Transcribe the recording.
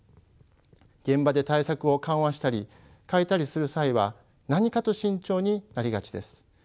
現場で対策を緩和したり変えたりする際は何かと慎重になりがちです。